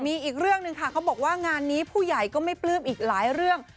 มีอีกเรื่องหนึ่งค่ะเขาบอกว่างานนี้ผู้ใหญ่ก็ไม่ปลื้มอีกหลายเรื่อง